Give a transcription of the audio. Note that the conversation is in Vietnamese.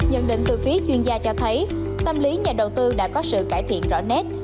nhận định từ phía chuyên gia cho thấy tâm lý nhà đầu tư đã có sự cải thiện rõ nét